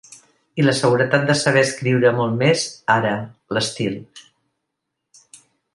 I la seguretat de saber escriure molt més ara: l’estil.